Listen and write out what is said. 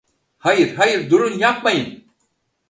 Hayır, hayır, durun, yapmayın.